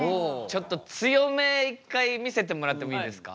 ちょっと強め一回見せてもらってもいいですか？